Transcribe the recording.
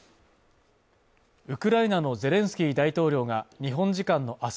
ウクライナのゼレンスキー大統領が日本時間のあす